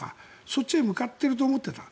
そっちへ向かっていると思っていた。